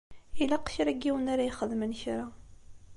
Ilaq kra n yiwen ara ixedmen kra.